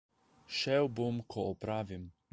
Šel bom, ko opravim.